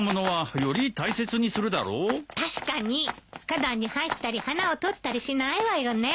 花壇に入ったり花をとったりしないわよね。